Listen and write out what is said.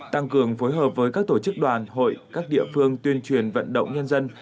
tăng cường phối hợp với các tổ chức đoàn hội các địa phương tuyên truyền vận động nhân dân